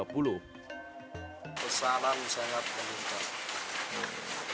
pesanan sangat meningkat